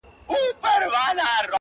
o خدايه له بـهــاره روانــېــږمه؛